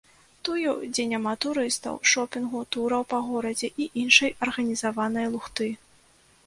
Тую, дзе няма турыстаў, шопінгу, тураў па горадзе і іншай арганізаванай лухты.